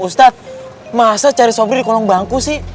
ustadz masa cari sopir di kolong bangku sih